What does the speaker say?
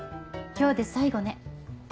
今日で最後ね。